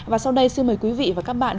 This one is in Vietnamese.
và sau đây xin mời quý vị và các bạn